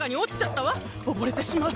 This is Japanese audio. おぼれてしまう。